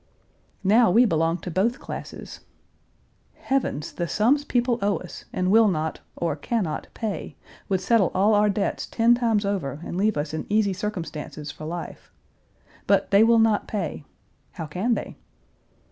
Now we belong to both classes. Heavens! the sums people owe us and will not, or can not, pay, would settle all our debts ten times over and leave us in easy circumstances for life. But they will not pay. How can they?